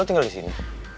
lo tinggal disini